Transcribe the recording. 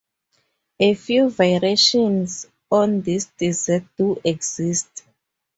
A few variations on this dessert do exist.